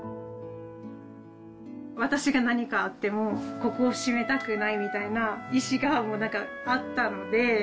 私が何かあっても、ここを閉めたくないみたいな意思がもう、なんかあったので。